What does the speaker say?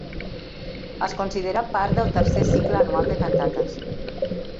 Es considera part del tercer cicle anual de cantates.